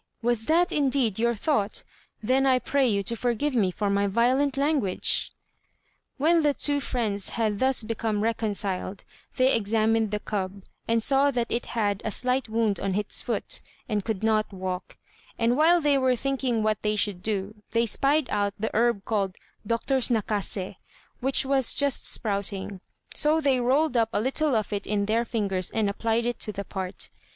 was that indeed your thought? Then I pray you to forgive me for my violent language." When the two friends had thus become reconciled, they examined the cub, and saw that it had a slight wound in its foot, and could not walk; and while they were thinking what they should do, they spied out the herb called "Doctor's Nakasé," which was just sprouting; so they rolled up a little of it in their fingers and applied it to the part.